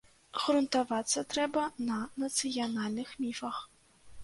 Грунтавацца трэба на нацыянальных міфах.